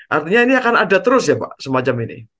artinya ini akan ada terus ya pak semacam ini